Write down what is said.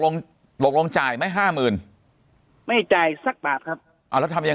ลงตกลงจ่ายไหมห้าหมื่นไม่จ่ายสักบาทครับเอาแล้วทำยัง